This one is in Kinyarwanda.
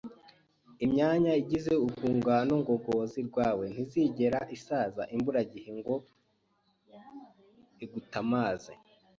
Imyanya igize urwungano ngogozi rwawe ntizigera isaza imburagihe ngo igutamaze.